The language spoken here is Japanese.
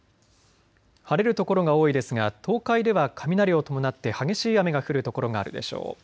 晴れる所が多いですが東海では雷を伴って激しい雨が降る所があるでしょう。